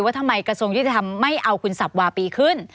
ทำไมกระทรวงยุติธรรมไม่เอาคุณสับวาปีขึ้น